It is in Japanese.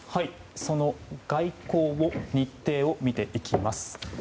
その外交の日程を見ていきます。